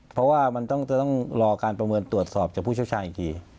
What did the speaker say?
เพราะว่ามันต้องรอการประเมินตรวจสอบจากผู้เชี่ยวชาญอีกที